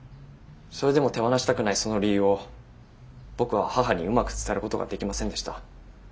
それでも手放したくないその理由を僕は母にうまく伝えることができませんでした。